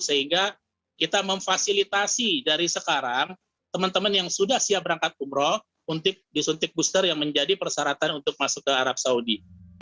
sehingga kita memfasilitasi dari sekarang teman teman yang sudah siap berangkat umroh disuntik booster yang menjadi persyaratan untuk masuk ke arab saudi